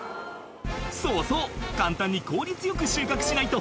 「そうそう簡単に効率よく収穫しないと」